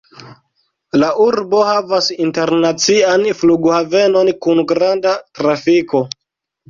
La urbo havas internacian flughavenon kun granda trafiko.